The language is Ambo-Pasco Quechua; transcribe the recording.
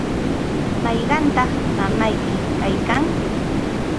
¿mayqantaq mamayki kaykan?